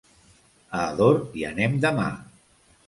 A Ador hi anem demà.